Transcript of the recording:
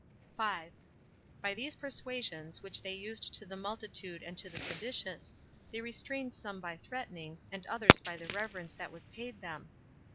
By these persuasions, which they used to the multitude and to the seditious, they restrained some by threatenings, and others by the reverence that was paid them.